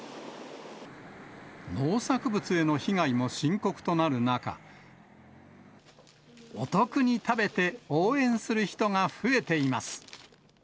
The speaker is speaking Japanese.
農作物への被害も深刻となる中、お得に食べて応援する人が増えています。